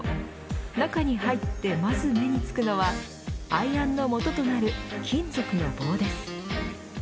中に入って、まず目につくのはアイアンの元となる金属の棒です。